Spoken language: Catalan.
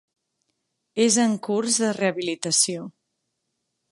És en curs de rehabilitació.